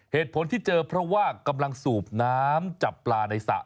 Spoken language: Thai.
เหตุผลที่เจอเพราะว่ากำลังสูบน้ำจับปลาในสระ